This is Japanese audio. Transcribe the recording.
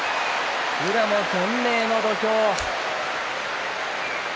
宇良も懸命の土俵。